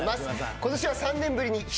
今年は３年ぶりに飛天に。